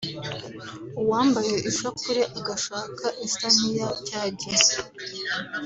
uwambaye ishapure agashaka isa nk’iya cya gihe